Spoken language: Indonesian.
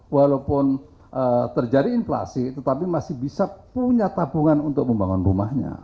walaupun terjadi inflasi tetapi masih bisa punya tabungan untuk membangun rumahnya